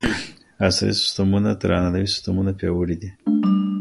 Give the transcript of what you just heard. عصري سیستمونه تر عنعنوي سیستمونو پیاوړي دي.